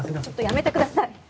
ちょっとやめてください！